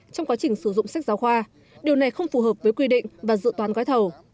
trong quá trình sử dụng sách giáo khoa điều này không phù hợp với quy định và dự toán gói thầu